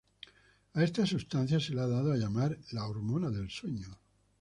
A esta sustancia se le ha dado a llamar "la hormona del sueño".